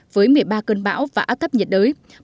với một mươi ba cơn bão và áp thấp nhiệt đới